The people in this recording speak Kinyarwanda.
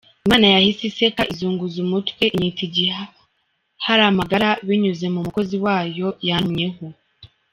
Imana yahise iseka, izunguza umutwe inyita Igiharamagara binyuze mu mukozi wayo yantumyeho.